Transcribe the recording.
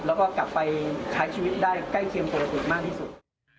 แล้วก็กลับไปใช้ชีวิตได้ใกล้เคียงปกติมากที่สุด